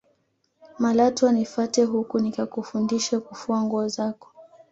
malatwa nifate huku nikakufundishe kufua nguo zako